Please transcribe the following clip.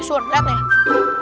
suar liat nih